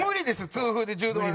痛風で柔道技。